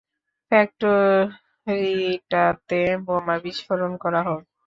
ফ্যাক্টরিটাতে বোমা বিস্ফোরণ করা হোক।